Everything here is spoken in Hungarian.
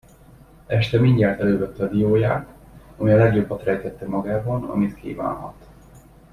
Este mindjárt elővette a dióját, amely a legjobbat rejtette magában, amit kívánhat.